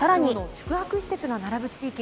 宿泊施設が並ぶ地域